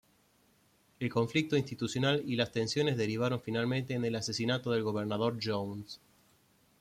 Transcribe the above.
El conflicto institucional y las tensiones derivaron finalmente en el asesinato del gobernador Jones.